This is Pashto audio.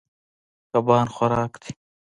کبان خوراک دي.